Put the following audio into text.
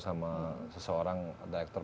sama seseorang director